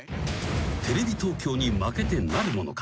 ［テレビ東京に負けてなるものか］